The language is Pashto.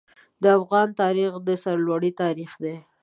د افغان تاریخ د سرلوړۍ تاریخ دی.